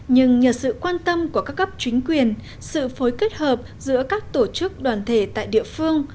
nhưng nhờ sự quan tâm của các cấp chính quyền sự phối kết hợp giữa các tổ chức đoàn thể tại địa phương